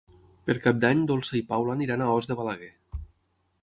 Per Cap d'Any na Dolça i na Paula aniran a Os de Balaguer.